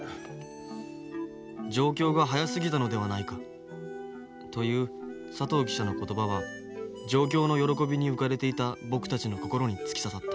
上京が早すぎたのではないかという佐藤記者の言葉は上京の喜びに浮かれていた僕たちの心に突き刺さった。